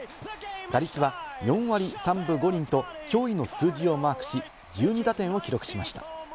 打率は４割３分５厘と驚異の数字をマークし、１２打点を記録しました。